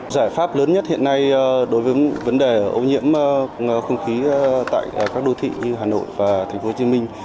giải pháp lớn nhất hiện nay đối với vấn đề ô nhiễm không khí tại các đô thị như hà nội và thành phố hồ chí minh